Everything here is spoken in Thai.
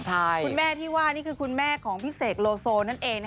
คุณแม่ที่ว่านี่คือคุณแม่ของพี่เสกโลโซนั่นเอง